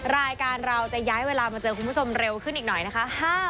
รายการเราจะย้ายเวลามาเจอคุณผู้ชมเร็วขึ้นอีกหน่อยนะคะ